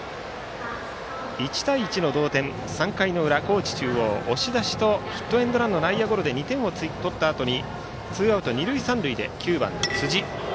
１対１の同点３回の裏、高知中央押し出しとヒットエンドランの内野ゴロで２点を取ったあとにツーアウト二塁三塁で９番の辻。